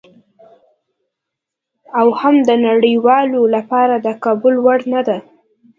او هم د نړیوالو لپاره د قبول وړ نه ده.